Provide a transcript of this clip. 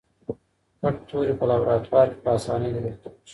پټ توري په لابراتوار کې په اسانۍ لیدل کیږي.